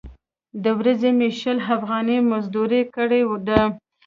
د ورځې مې شل افغانۍ مزدورۍ کړې ده.